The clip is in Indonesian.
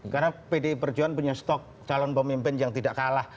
karena pdi perjuangan punya stok calon pemimpin yang tidak kalah